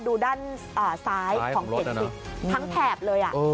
ดูด้านซ้ายของเพจสิทั้งแถบเลย